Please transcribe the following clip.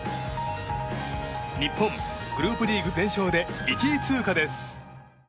日本、グループリーグ全勝で１位通過です。